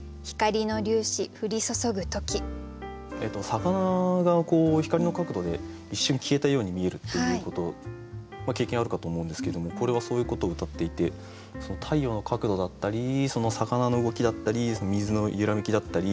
魚が光の角度で一瞬消えたように見えるっていうこと経験あるかと思うんですけどもこれはそういうことをうたっていて太陽の角度だったり魚の動きだったり水の揺らめきだったり。